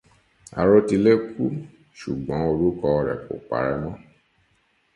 Arótilé kú ṣùgbọ́n òrúkọ rẹ̀ kò parẹ́ mọ́.